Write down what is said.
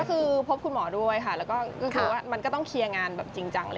ก็คือพบคุณหมอด้วยค่ะแล้วก็คือว่ามันก็ต้องเคลียร์งานแบบจริงจัง